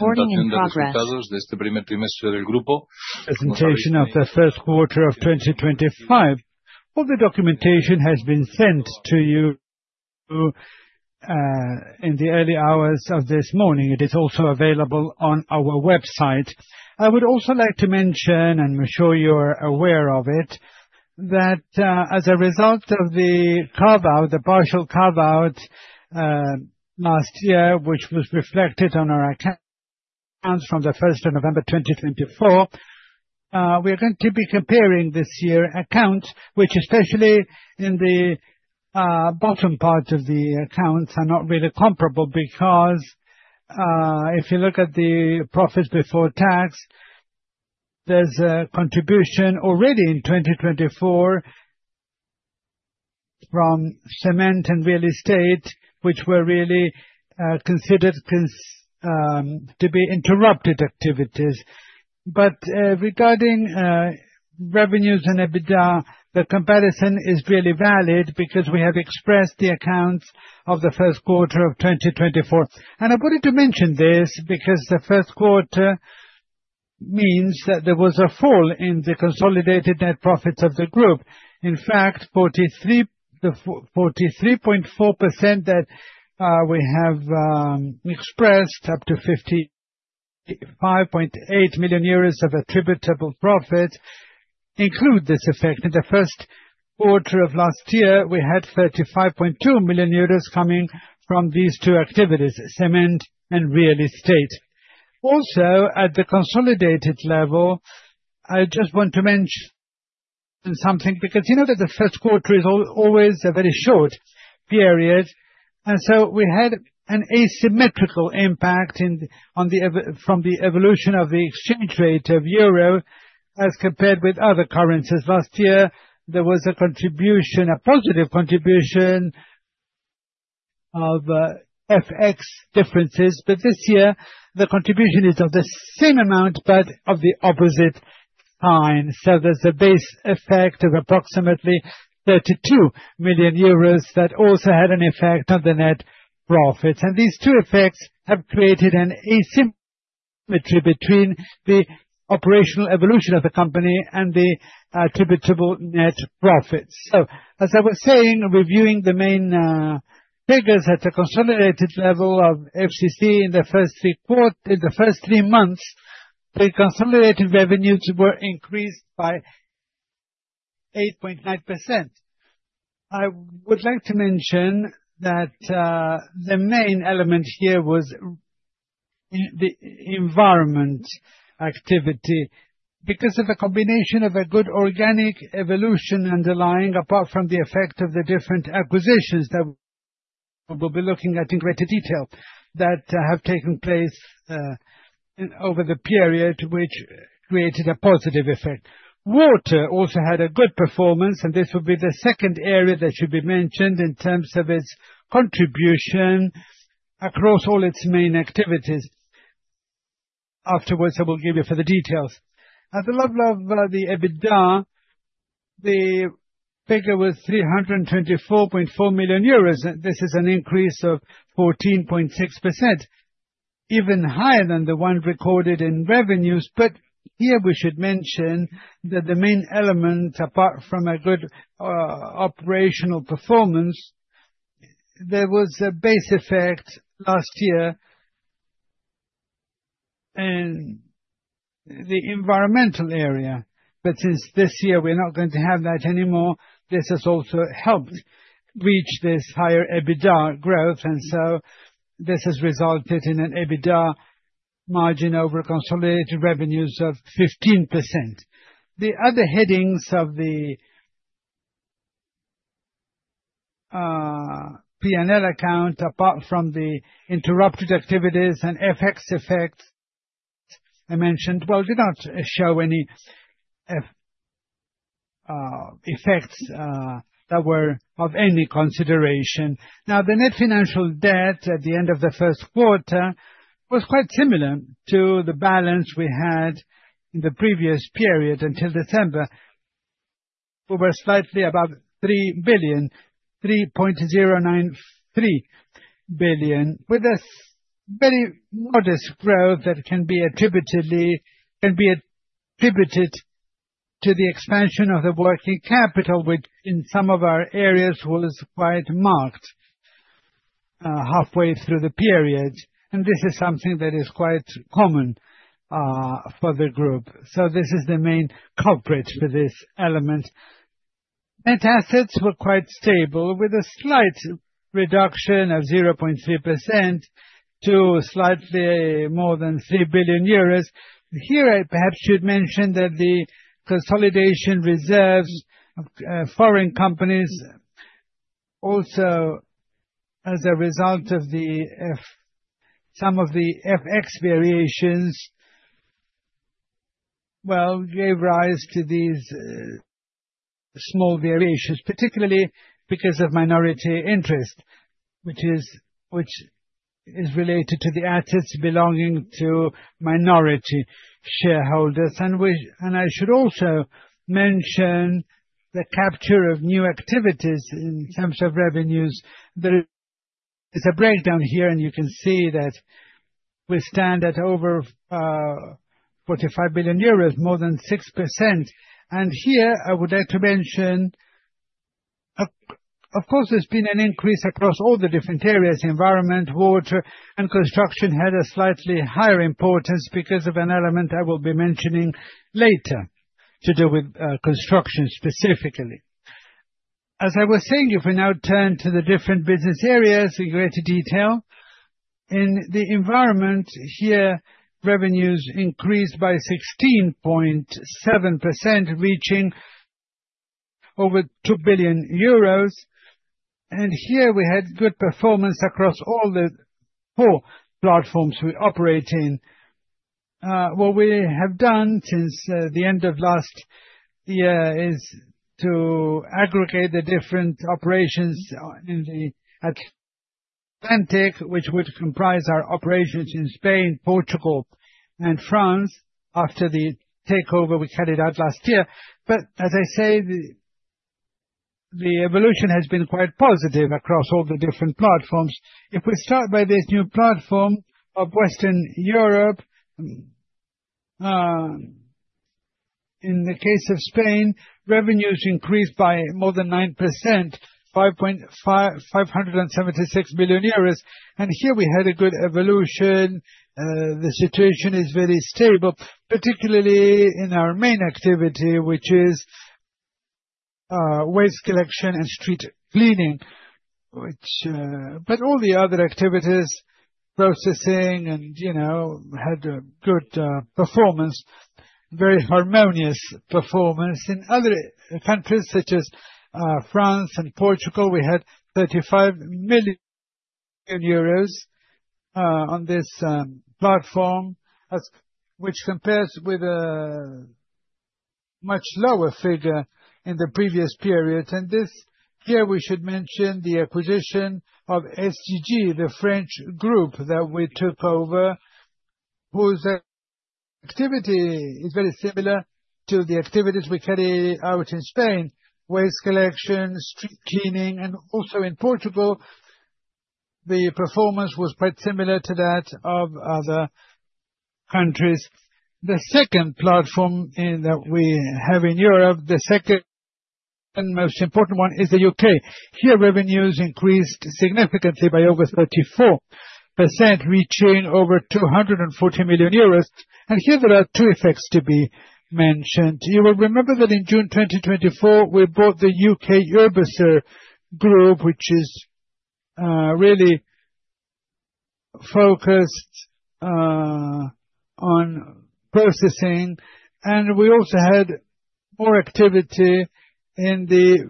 Recording in progress. Presentation of the first quarter of 2025. All the documentation has been sent to you in the early hours of this morning. It is also available on our website. I would also like to mention, and I'm sure you're aware of it, that as a result of the carve-out, the partial carve-out last year, which was reflected on our accounts from the 1st of November 2024, we're going to be comparing this year's accounts, which especially in the bottom part of the accounts are not really comparable because if you look at the profits before tax, there's a contribution already in 2024 from cement and real estate, which were really considered to be interrupted activities. Regarding revenues and EBITDA, the comparison is really valid because we have expressed the accounts of the first quarter of 2024. I wanted to mention this because the first quarter means that there was a fall in the consolidated net profits of the group. In fact, 43.4% that we have expressed, up to 55.8 million euros of attributable profits, include this effect. In the first quarter of last year, we had 35.2 million euros coming from these two activities, cement and real estate. Also, at the consolidated level, I just want to mention something because you know that the first quarter is always a very short period. We had an asymmetrical impact from the evolution of the exchange rate of euro as compared with other currencies. Last year, there was a contribution, a positive contribution of FX differences, but this year the contribution is of the same amount but of the opposite kind. There is a base effect of approximately 32 million euros that also had an effect on the net profits. These two effects have created an asymmetry between the operational evolution of the company and the attributable net profits. As I was saying, reviewing the main figures at the consolidated level of FCC in the first three months, the consolidated revenues were increased by 8.9%. I would like to mention that the main element here was the environment activity because of a combination of a good organic evolution underlying, apart from the effect of the different acquisitions that we will be looking at in greater detail that have taken place over the period, which created a positive effect. Water also had a good performance, and this would be the second area that should be mentioned in terms of its contribution across all its main activities. Afterwards, I will give you further details. At the level of the EBITDA, the figure was 324.4 million euros. This is an increase of 14.6%, even higher than the one recorded in revenues. Here we should mention that the main element, apart from a good operational performance, there was a base effect last year in the environmental area. Since this year, we're not going to have that anymore. This has also helped reach this higher EBITDA growth. This has resulted in an EBITDA margin over consolidated revenues of 15%. The other headings of the P&L account, apart from the interrupted activities and FX effects I mentioned, did not show any effects that were of any consideration. Now, the net financial debt at the end of the first quarter was quite similar to the balance we had in the previous period until December. We were slightly above 3 billion, 3.093 billion, with a very modest growth that can be attributed to the expansion of the working capital, which in some of our areas was quite marked halfway through the period. This is something that is quite common for the group. This is the main culprit for this element. Net assets were quite stable, with a slight reduction of 0.3% to slightly more than 3 billion euros. Here, I perhaps should mention that the consolidation reserves of foreign companies, also as a result of some of the FX variations, well, gave rise to these small variations, particularly because of minority interest, which is related to the assets belonging to minority shareholders. I should also mention the capture of new activities in terms of revenues. There is a breakdown here, and you can see that we stand at over 45 billion euros, more than 6%. Here, I would like to mention, of course, there has been an increase across all the different areas. Environment, water, and construction had a slightly higher importance because of an element I will be mentioning later to do with construction specifically. As I was saying, if we now turn to the different business areas in greater detail, in the environment here, revenues increased by 16.7%, reaching over 2 billion euros. Here we had good performance across all the four platforms we operate in. What we have done since the end of last year is to aggregate the different operations at Atlantic, which would comprise our operations in Spain, Portugal, and France after the takeover we carried out last year. As I say, the evolution has been quite positive across all the different platforms. If we start by this new platform of Western Europe, in the case of Spain, revenues increased by more than 9%, 576 million euros. Here we had a good evolution. The situation is very stable, particularly in our main activity, which is waste collection and street cleaning, but all the other activities, processing, had a good performance, a very harmonious performance. In other countries such as France and Portugal, we had 35 million euros on this platform, which compares with a much lower figure in the previous period. This year, we should mention the acquisition of SGG, the French group that we took over, whose activity is very similar to the activities we carry out in Spain, waste collection, street cleaning, and also in Portugal, the performance was quite similar to that of other countries. The second platform that we have in Europe, the second most important one, is the U.K. Here, revenues increased significantly by over 34%, reaching over 240 million euros. There are two effects to be mentioned. You will remember that in June 2024, we bought the U.K. Urbaser Group, which is really focused on processing. We also had more activity in the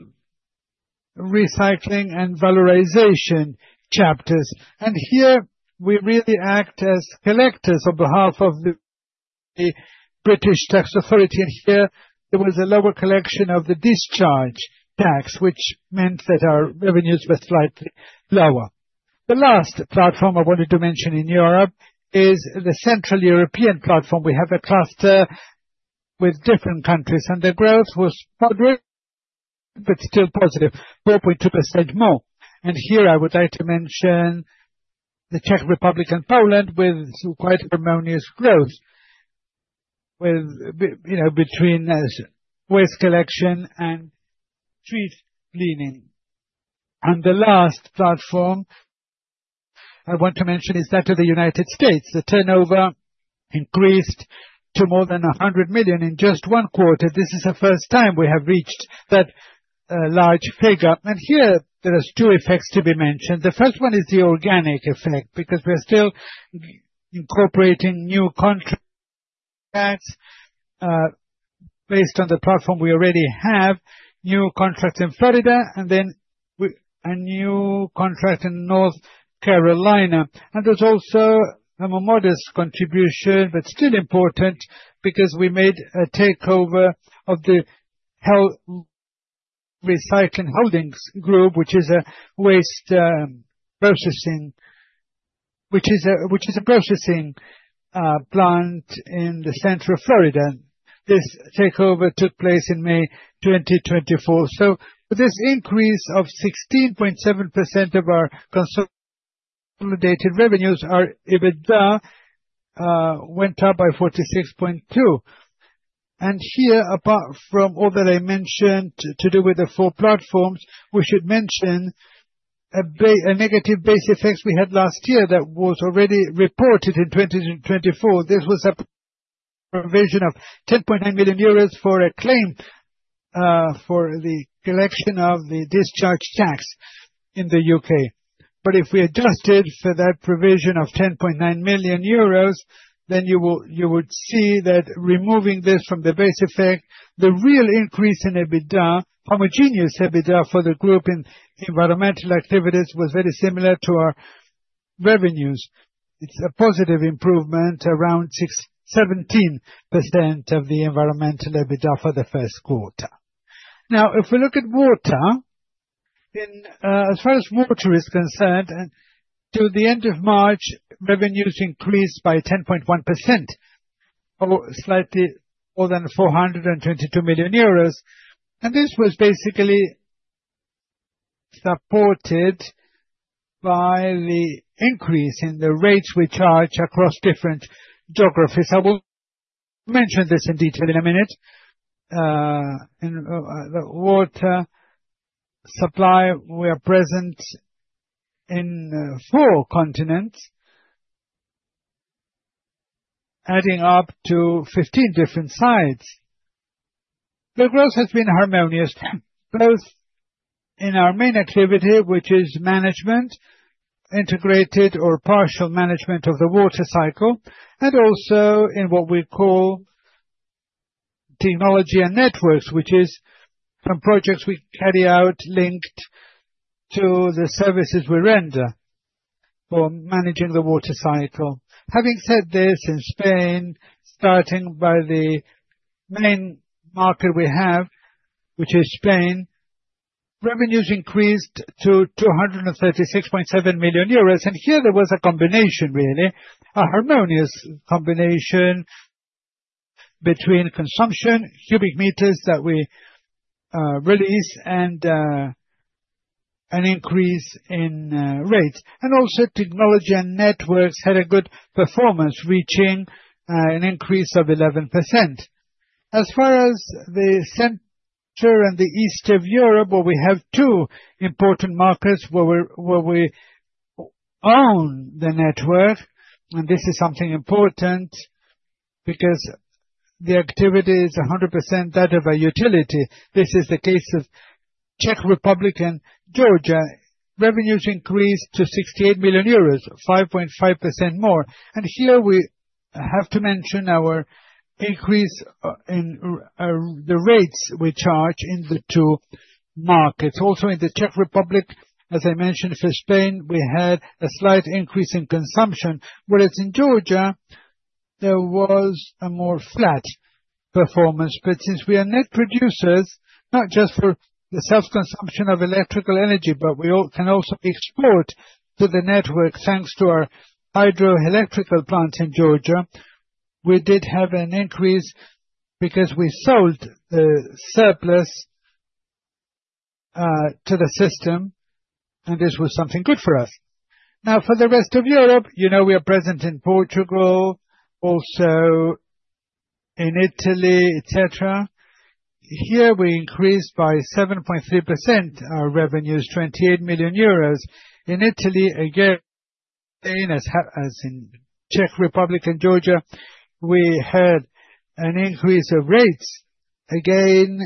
recycling and valorization chapters. Here, we really act as collectors on behalf of the British Tax Authority. There was a lower collection of the discharge tax, which meant that our revenues were slightly lower. The last platform I wanted to mention in Europe is the Central European platform. We have a cluster with different countries, and the growth was moderate but still positive, 4.2% more. Here, I would like to mention the Czech Republic and Poland with quite harmonious growth between waste collection and street cleaning. The last platform I want to mention is that of the United States. The turnover increased to more than 100 million in just one quarter. This is the first time we have reached that large figure. There are two effects to be mentioned. The first one is the organic effect because we are still incorporating new contracts based on the platform we already have, new contracts in Florida, and a new contract in North Carolina. There is also a more modest contribution, but still important, because we made a takeover of the Gel Recycling Holdings Group, which is a waste processing plant in the center of Florida. This takeover took place in May 2024. This increase of 16.7% of our consolidated revenues, our EBITDA went up by 46.2%. Here, apart from all that I mentioned to do with the four platforms, we should mention a negative base effect we had last year that was already reported in 2024. This was a provision of 10.9 million euros for a claim for the collection of the discharge tax in the U.K. If we adjusted for that provision of 10.9 million euros, you would see that removing this from the base effect, the real increase in EBITDA, homogeneous EBITDA for the group in environmental activities, was very similar to our revenues. It is a positive improvement, around 17% of the environmental EBITDA for the first quarter. Now, if we look at water, as far as water is concerned, to the end of March, revenues increased by 10.1%, slightly more than 422 million euros. This was basically supported by the increase in the rates we charge across different geographies. I will mention this in detail in a minute. The water supply, we are present in four continents, adding up to 15 different sites. The growth has been harmonious, both in our main activity, which is management, integrated or partial management of the water cycle, and also in what we call technology and networks, which is some projects we carry out linked to the services we render for managing the water cycle. Having said this, in Spain, starting by the main market we have, which is Spain, revenues increased to 236.7 million euros. Here, there was a combination, really, a harmonious combination between consumption, cubic meters that we release, and an increase in rates. Also, technology and networks had a good performance, reaching an increase of 11%. As far as the center and the east of Europe, where we have two important markets where we own the network, and this is something important because the activity is 100% that of a utility. This is the case of Czech Republic and Georgia. Revenues increased to 68 million euros, 5.5% more. Here, we have to mention our increase in the rates we charge in the two markets. Also, in the Czech Republic, as I mentioned, for Spain, we had a slight increase in consumption. Whereas in Georgia, there was a more flat performance. Since we are net producers, not just for the self-consumption of electrical energy, but we can also export to the network, thanks to our hydroelectrical plant in Georgia, we did have an increase because we sold the surplus to the system, and this was something good for us. Now, for the rest of Europe, we are present in Portugal, also in Italy, etc. Here, we increased by 7.3% our revenues, 28 million euros. In Italy, again, as in Czech Republic and Georgia, we had an increase of rates. Again,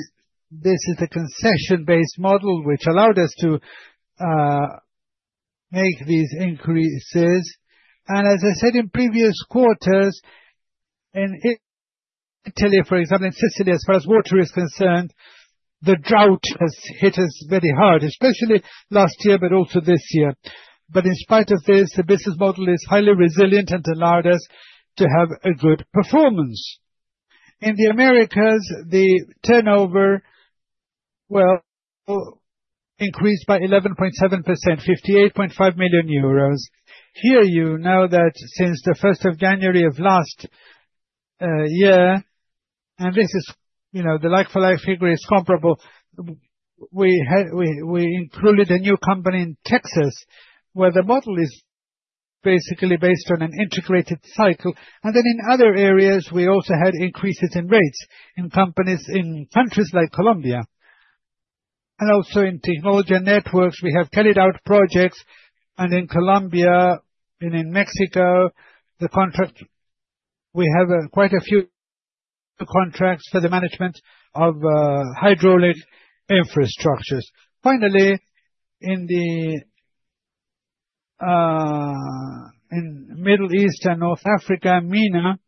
this is the concession-based model, which allowed us to make these increases. As I said in previous quarters, in Italy, for example, in Sicily, as far as water is concerned, the drought has hit us very hard, especially last year, but also this year. In spite of this, the business model is highly resilient and allowed us to have a good performance. In the Americas, the turnover increased by 11.7%, 58.5 million euros. Here, you know that since the 1st of January of last year, and this is the like-for-like figure, it's comparable. We included a new company in Texas, where the model is basically based on an integrated cycle. In other areas, we also had increases in rates in companies in countries like Colombia. Also in technology and networks, we have carried out projects. In Colombia and in Mexico, we have quite a few contracts for the management of hydraulic infrastructures. Finally, in the Middle East and North Africa, MENA,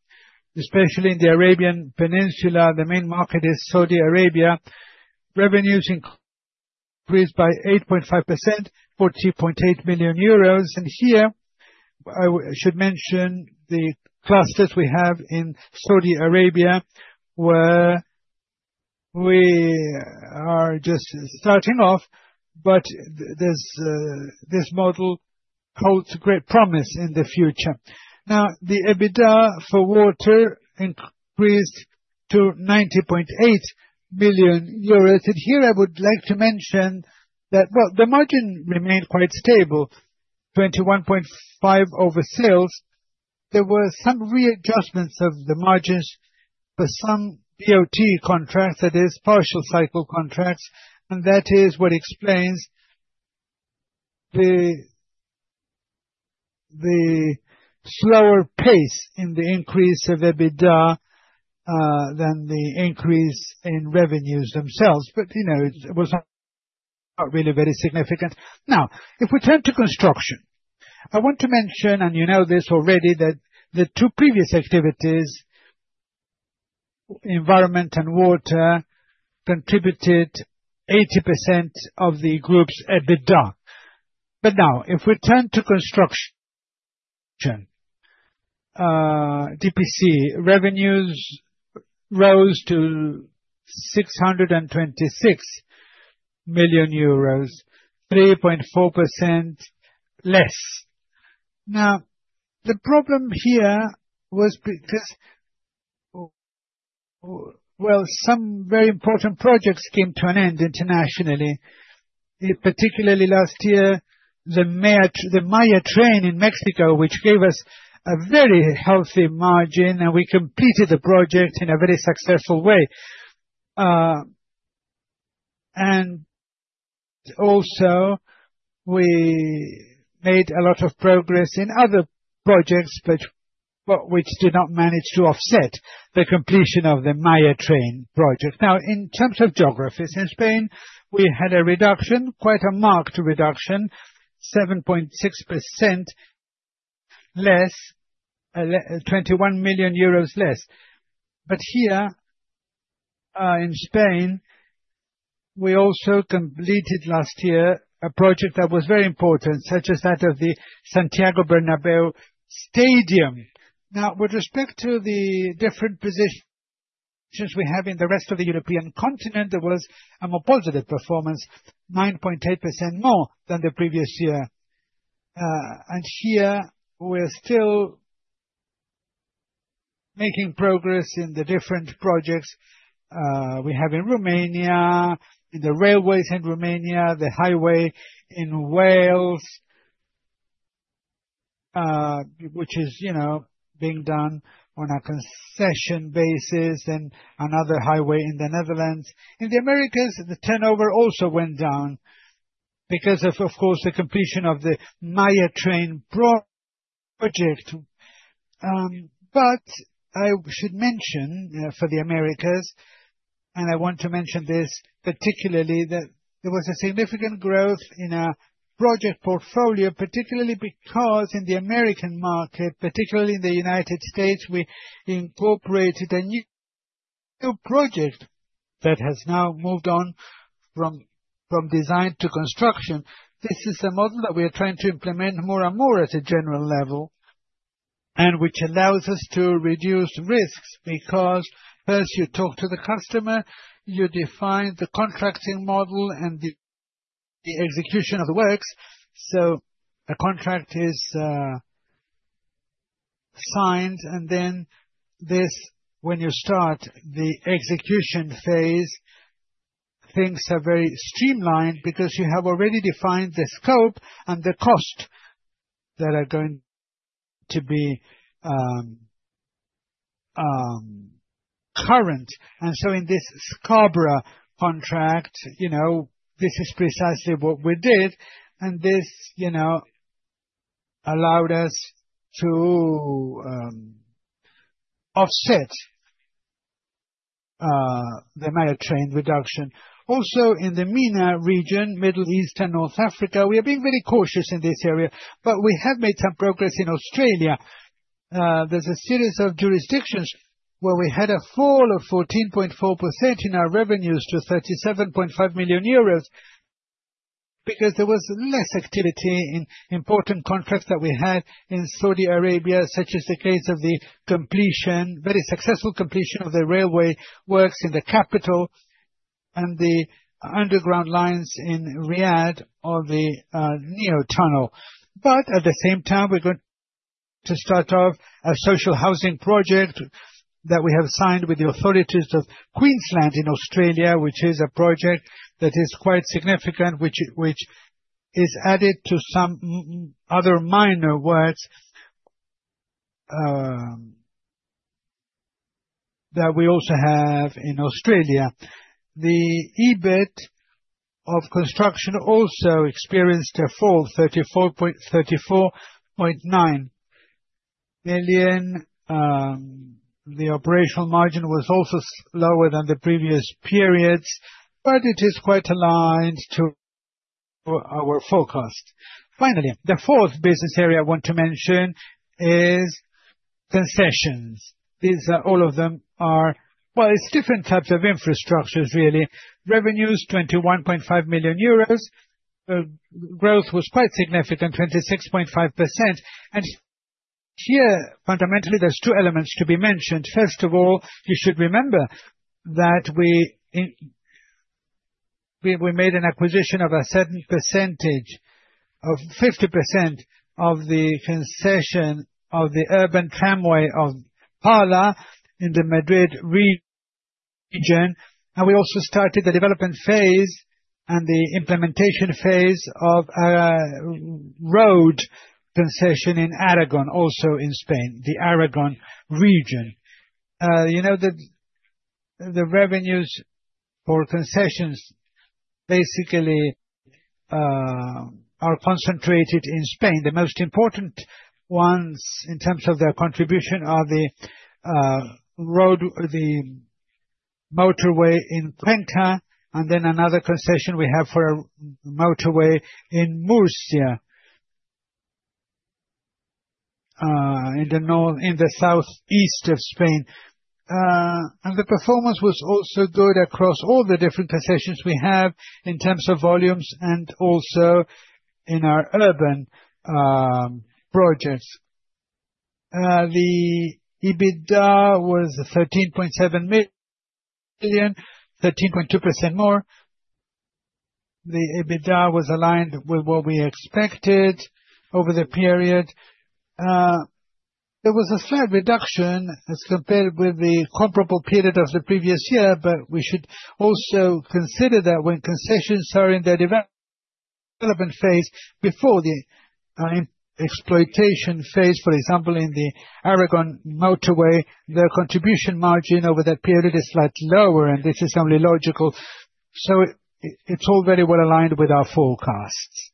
especially in the Arabian Peninsula, the main market is Saudi Arabia, revenues increased by 8.5%, 40.8 million euros. Here, I should mention the clusters we have in Saudi Arabia, where we are just starting off, but this model holds great promise in the future. Now, the EBITDA for water increased to 90.8 million. Here, I would like to mention that, actually, the margin remained quite stable, 21.5 over sales. There were some readjustments of the margins for some BOT contracts, that is, partial cycle contracts. That is what explains the slower pace in the increase of EBITDA than the increase in revenues themselves. It was not really very significant. Now, if we turn to construction, I want to mention, and you know this already, that the two previous activities, environment and water, contributed 80% of the group's EBITDA. Now, if we turn to construction, DPC revenues rose to 626 million euros, 3.4% less. The problem here was because, well, some very important projects came to an end internationally, particularly last year, the Maya Train in Mexico, which gave us a very healthy margin, and we completed the project in a very successful way. We made a lot of progress in other projects, which did not manage to offset the completion of the Maya Train project. In terms of geographies, in Spain, we had a reduction, quite a marked reduction, 7.6% less, EUR 21 million less. Here in Spain, we also completed last year a project that was very important, such as that of the Santiago Bernabéu Stadium. With respect to the different positions we have in the rest of the European continent, there was a more positive performance, 9.8% more than the previous year. Here, we're still making progress in the different projects we have in Romania, in the railways in Romania, the highway in Wales, which is being done on a concession basis, and another highway in the Netherlands. In the Americas, the turnover also went down because of, of course, the completion of the Maya Train project. I should mention for the Americas, and I want to mention this particularly, that there was a significant growth in our project portfolio, particularly because in the American market, particularly in the United States, we incorporated a new project that has now moved on from design to construction. This is a model that we are trying to implement more and more at a general level, and which allows us to reduce risks because first, you talk to the customer, you define the contracting model and the execution of the works. A contract is signed, and then this, when you start the execution phase, things are very streamlined because you have already defined the scope and the cost that are going to be current. In this Scarborough contract, this is precisely what we did, and this allowed us to offset the Maya Train reduction. Also, in the MENA region, Middle East and North Africa, we are being very cautious in this area, but we have made some progress in Australia. There is a series of jurisdictions where we had a fall of 14.4% in our revenues to 37.5 million euros because there was less activity in important contracts that we had in Saudi Arabia, such as the case of the completion, very successful completion of the railway works in the capital and the underground lines in Riyadh or the NEO tunnel. At the same time, we're going to start off a social housing project that we have signed with the authorities of Queensland in Australia, which is a project that is quite significant, which is added to some other minor works that we also have in Australia. The EBIT of construction also experienced a fall, 34.9 million. The operational margin was also lower than the previous periods, but it is quite aligned to our forecast. Finally, the fourth business area I want to mention is concessions. These, all of them are, really, different types of infrastructures. Revenues, 21.5 million euros. Growth was quite significant, 26.5%. Here, fundamentally, there are two elements to be mentioned. First of all, you should remember that we made an acquisition of a certain percentage of 50% of the concession of the urban tramway of Parla in the Madrid region. We also started the development phase and the implementation phase of a road concession in Aragon, also in Spain, the Aragon region. The revenues for concessions basically are concentrated in Spain. The most important ones in terms of their contribution are the road, the motorway in Cuenca, and then another concession we have for a motorway in Murcia, in the southeast of Spain. The performance was also good across all the different concessions we have in terms of volumes and also in our urban projects. The EBITDA was 13.7 million, 13.2% more. The EBITDA was aligned with what we expected over the period. There was a slight reduction as compared with the comparable period of the previous year, but we should also consider that when concessions are in the development phase before the exploitation phase, for example, in the Aragon motorway, their contribution margin over that period is slightly lower, and this is only logical. It is all very well aligned with our forecasts.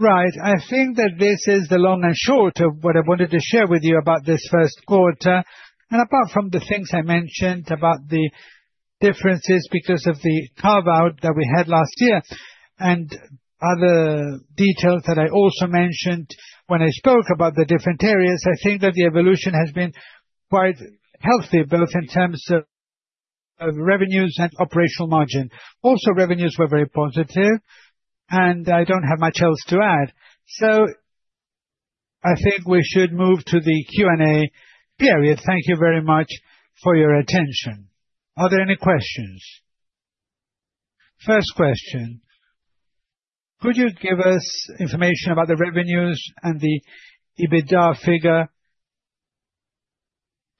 I think that this is the long and short of what I wanted to share with you about this first quarter. Apart from the things I mentioned about the differences because of the carve-out that we had last year and other details that I also mentioned when I spoke about the different areas, I think that the evolution has been quite healthy, both in terms of revenues and operational margin. Also, revenues were very positive, and I do not have much else to add. I think we should move to the Q&A period. Thank you very much for your attention. Are there any questions? First question. Could you give us information about the revenues and the EBITDA figure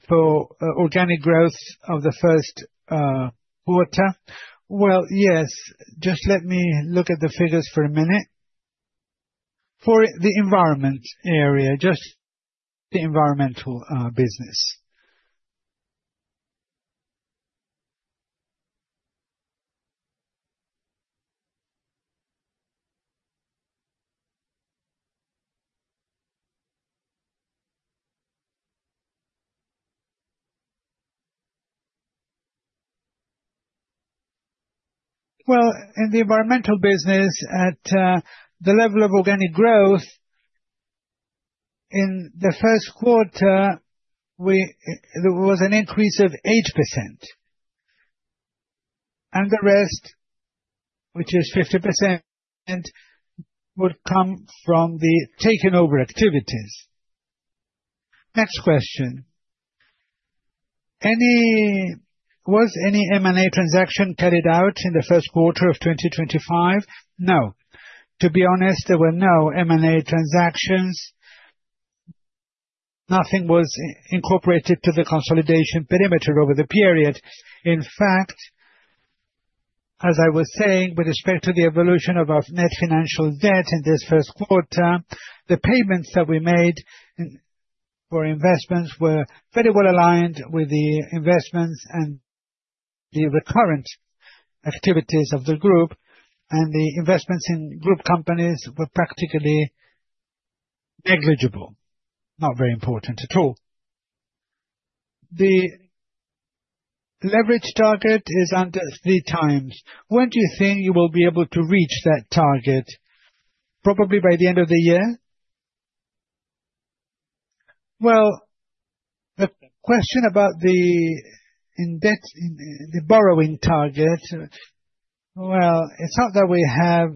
for organic growth of the first quarter? Yes. Just let me look at the figures for a minute. For the environment area, just the environmental business. In the environmental business, at the level of organic growth, in the first quarter, there was an increase of 8%. The rest, which is 50%, would come from the taken-over activities. Next question. Was any M&A transaction carried out in the first quarter of 2025? No. To be honest, there were no M&A transactions. Nothing was incorporated to the consolidation perimeter over the period. In fact, as I was saying, with respect to the evolution of our net financial debt in this first quarter, the payments that we made for investments were very well aligned with the investments and the recurrent activities of the group. The investments in group companies were practically negligible, not very important at all. The leverage target is under three times. When do you think you will be able to reach that target? Probably by the end of the year. The question about the borrowing target, it is not that we have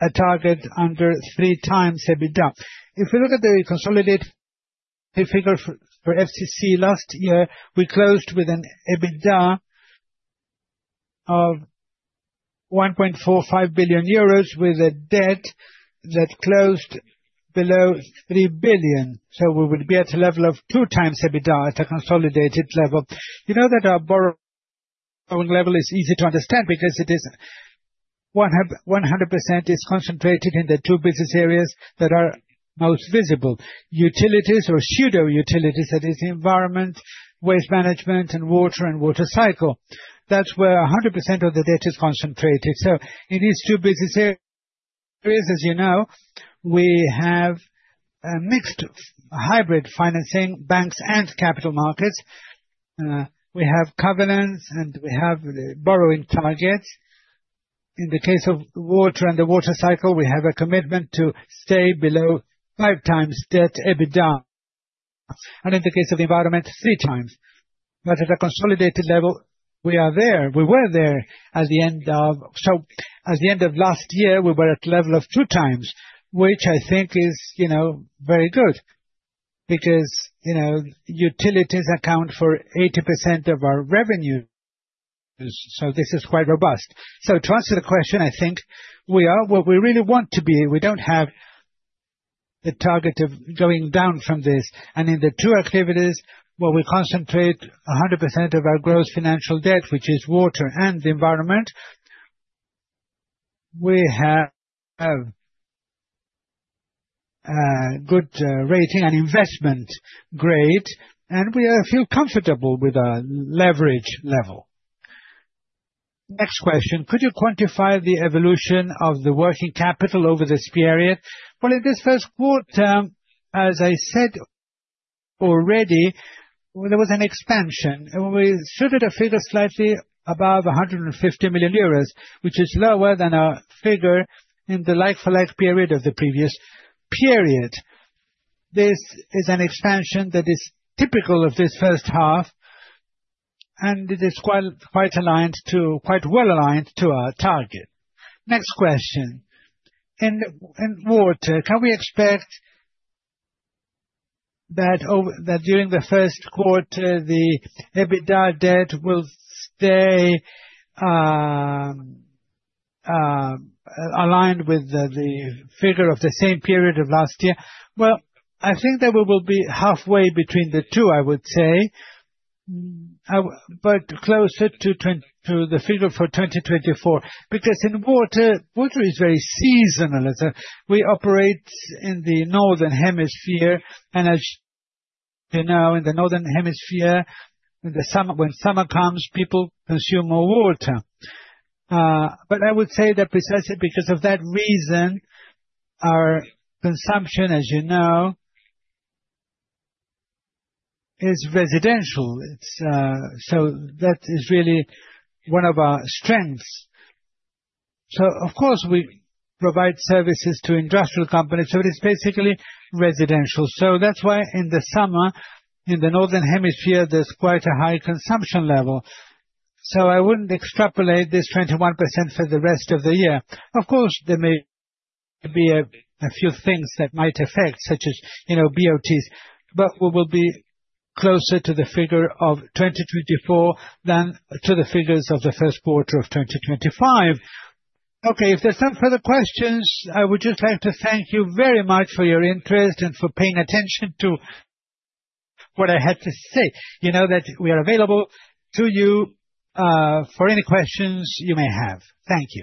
a target under three times EBITDA. If we look at the consolidated figure for FCC last year, we closed with an EBITDA of 1.45 billion euros with a debt that closed below 3 billion. We would be at a level of 2x EBITDA at a consolidated level. You know that our borrowing level is easy to understand because 100% is concentrated in the two business areas that are most visible: utilities or pseudo utilities, that is, environment, waste management, and water and water cycle. That's where 100% of the debt is concentrated. In these two business areas, as you know, we have mixed hybrid financing, banks and capital markets. We have covenants, and we have borrowing targets. In the case of water and the water cycle, we have a commitment to stay below 5x debt EBITDA. In the case of environment, three times. At a consolidated level, we are there. We were there at the end of last year, we were at the level of two 2x, which I think is very good because utilities account for 80% of our revenues. This is quite robust. To answer the question, I think we are where we really want to be. We do not have the target of going down from this. In the two activities where we concentrate 100% of our gross financial debt, which is water and environment, we have a good rating and investment grade, and we feel comfortable with our leverage level. Next question. Could you quantify the evolution of the working capital over this period? In this first quarter, as I said already, there was an expansion. We stood at a figure slightly above 150 million euros, which is lower than our figure in the like-for-like period of the previous period. This is an expansion that is typical of this first half, and it is quite aligned to, quite well aligned to our target. Next question. In water, can we expect that during the first quarter, the EBITDA debt will stay aligned with the figure of the same period of last year? I think that we will be halfway between the two, I would say, but closer to the figure for 2024. Because in water, water is very seasonal. We operate in the northern hemisphere, and as you know, in the northern hemisphere, when summer comes, people consume more water. I would say that precisely because of that reason, our consumption, as you know, is residential. That is really one of our strengths. Of course, we provide services to industrial companies, so it is basically residential. That is why in the summer, in the northern hemisphere, there is quite a high consumption level. I would not extrapolate this 21% for the rest of the year. Of course, there may be a few things that might affect, such as BOTs, but we will be closer to the figure of 2024 than to the figures of the first quarter of 2025. Okay. If there's no further questions, I would just like to thank you very much for your interest and for paying attention to what I had to say. You know that we are available to you for any questions you may have. Thank you.